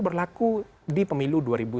berlaku di pemilu dua ribu sembilan belas